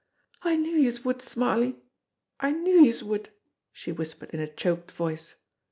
"I knew youse would, Smarly! I knew youse would!" she whispered in a choked voice.